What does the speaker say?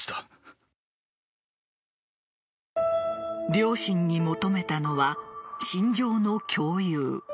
両親に求めたのは心情の共有。